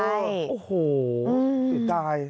โอ้โหติดตาย